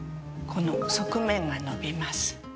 この側面が伸びます。